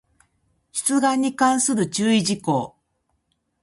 出願に関する注意事項